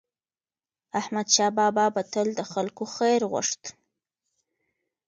احمدشاه بابا به تل د خلکو خیر غوښت.